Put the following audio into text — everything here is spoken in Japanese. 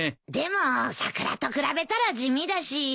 でも桜と比べたら地味だし。